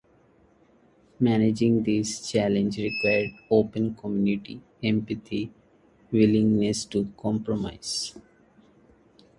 Managing these challenges requires open communication, empathy, and a willingness to compromise.